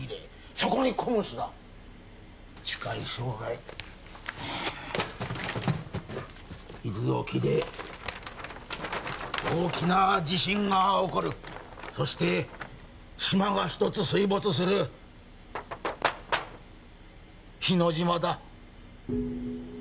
そこにＣＯＭＳだ近い将来伊豆沖で大きな地震が起こるそして島が１つ水没する日之島だ